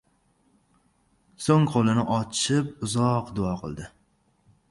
Soʻng qoʻlini ochib uzoq duo qildi.